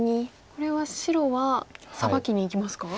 これは白はサバキにいきますか？